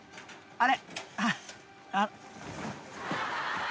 あれ？